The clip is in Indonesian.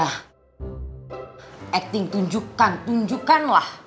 akting tunjukkan tunjukkan lah